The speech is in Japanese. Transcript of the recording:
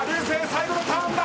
最後のターンだ。